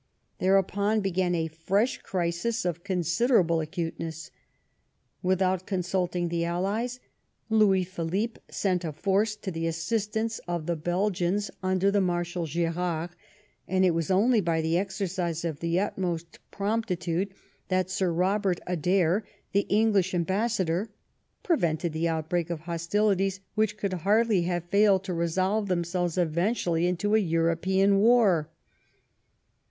Thereupon began a fresh crisis of considerable acuteness. Without consulting the Allies, Louis Philippe «ent a force to the assistance of the Belgians under Marshal Gerard, and it was only hy the exercise of the utmost promptitude that Sir Robert Adair, the English ambassador, prevented the outbreak of hostilities which could hardly have failed to resolve themselves eventu fiUy into a European war.